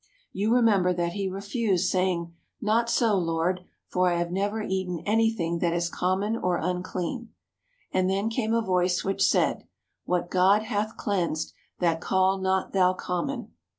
You remember that he refused, saying: "Not so, Lord! for I have never eaten anything that is common or unclean." And then came a voice which said: "What God hath cleansed that call not thou common."